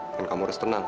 dan kamu harus tenang